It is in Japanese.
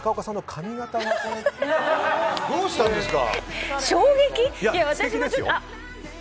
急にどうしたんですか。